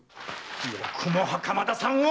よくも袴田さんを！